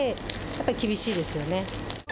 やっぱり厳しいですよね。